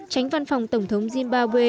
tránh văn phòng tổng thống zimbabwe